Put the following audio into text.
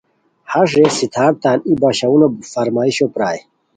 ہش رے ستھارتان ای باشونو فرمائشو پرائے